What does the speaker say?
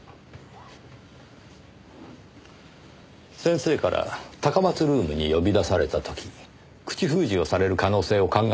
先生から高松ルームに呼び出された時に口封じをされる可能性を考えました。